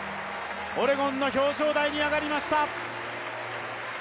オレゴンの表彰台に上がりました。